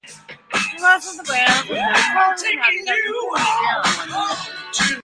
Promotion of the brand has included television advertising, print media, and online media.